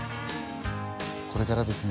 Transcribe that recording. これからですね